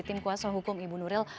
tim kuasa hukum ibu nuril